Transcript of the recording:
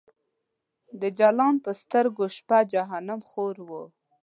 د جلان په سترګو شپه جهنم خور و